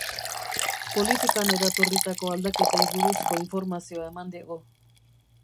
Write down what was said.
Politikan eratorritako aldaketei buruzko informazioa eman digu.